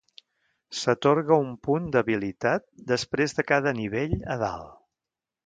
S'atorga un punt d'habilitat després de cada nivell a dalt.